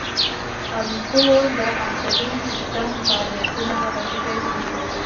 الکول د عصبي سیستم فعالیتونه را ټیټوي.